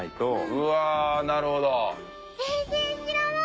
うわあなるほど。